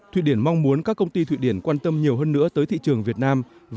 thụy điển mong muốn các công ty thụy điển quan tâm nhiều hơn nữa tới thị trường việt nam